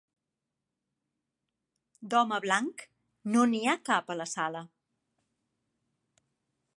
D'home blanc no n'hi ha cap, a la sala.